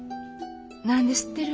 何で知ってるん？